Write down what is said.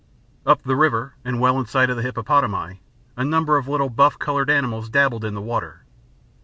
Up the river and well in sight of the hippopotami, a number of little buff coloured animals dabbled in the water.